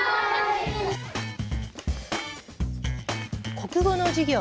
国語の授業